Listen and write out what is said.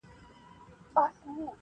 دا یو څو ورځي ژوندون دی نازوه مي -